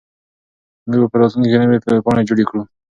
موږ به په راتلونکي کې نوې ویبپاڼې جوړې کړو.